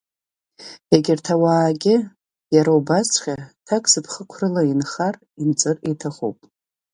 Егьырҭ ауаагьы иара убасҵәҟьа ҭакзыԥхықәрала инхар, инҵыр иҭахуп.